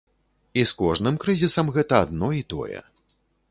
І з кожным крызісам гэта адно і тое.